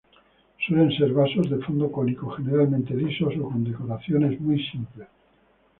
Suelen ser vasos de fondo cónico, generalmente lisos o con decoraciones muy sencillas.